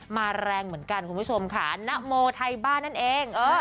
แรงเหมือนกันคุณผู้ชมค่ะนโมไทยบ้านนั่นเอง